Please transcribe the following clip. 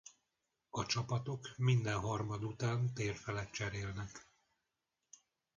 A csapatok minden harmad után térfelet cserélnek.